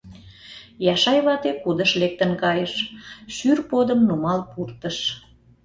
Яшай вате кудыш лектын кайыш, шӱр подым нумал пуртыш.